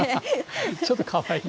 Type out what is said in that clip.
ちょっとかわいい。